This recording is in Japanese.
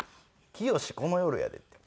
『きよしこの夜』やでって。